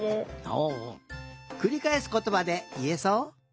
ほおくりかえすことばでいえそう？